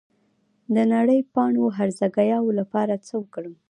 د نرۍ پاڼو هرزه ګیاوو لپاره څه وکړم؟